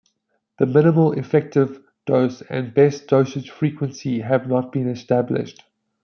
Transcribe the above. The minimal effective dose and best dosage frequency have not been established.